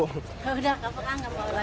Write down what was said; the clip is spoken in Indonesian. udah kapok gak mau lagi